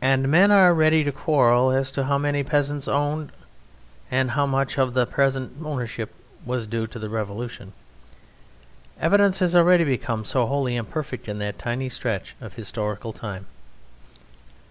And men are ready to quarrel as to how many peasants owned and how much of their present ownership was due to the Revolution, evidence has already become so wholly imperfect in that tiny stretch of historical time.